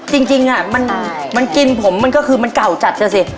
จริงมันกินผมมันก็คือมันเก่าจัดซะสิ